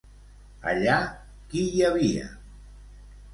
Allà qui hi havia?